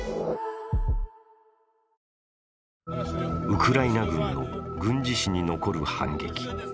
ウクライナ軍の軍事史に残る反撃。